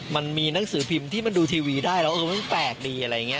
มันมีหนังสือพิมพ์ที่มันดูทีวีได้แล้วเออมันแปลกดีอะไรอย่างนี้